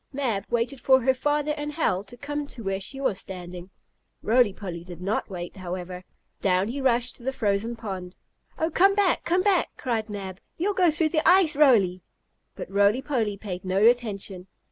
Mab waited for her father and Hal to come to where she was standing. Roly Poly did not wait, however. Down he rushed to the frozen pond. "Oh, come back! Come back!" cried Mab. "You'll go through the ice, Roly!" But Roly Poly paid no attention.